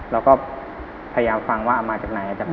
เราก็พยายามฟังว่าเอามาจากไหน